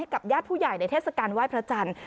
ให้กับญาติผู้ใหญ่ในเทศการไว้พระอัตถาจันทร์